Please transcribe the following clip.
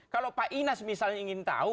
kalau pak inas misalnya ingin tahu